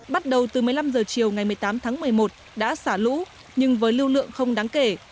bắt đầu từ một mươi năm h chiều ngày một mươi tám tháng một mươi một đã xả lũ nhưng với lưu lượng không đáng kể